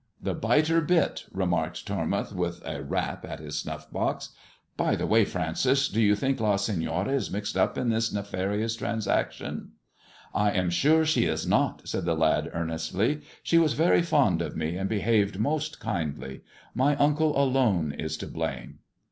" The biter bit," remarked Tormouth, with a rap at his snuff box. "By the way, Francis, do you think Ia Seiiora is mixed up in this nefarious transaction]" "I am sure she is not," said the lad earnestly; "she was very fond of me, and behaved mosii kindly. My uncle alone is to blame."